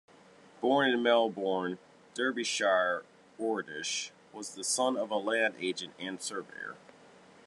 Born in Melbourne, Derbyshire, Ordish was the son of a land agent and surveyor.